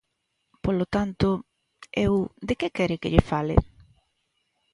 Polo tanto, eu ¿de que quere que lle fale?